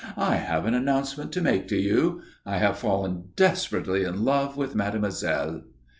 "I have an announcement to make to you. I have fallen desperately in love with mademoiselle."